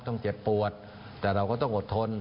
เจ็บปวดแต่เราก็ต้องอดทน